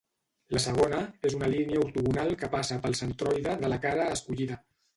La segona és una línia ortogonal que passa pel centroide de la cara escollida.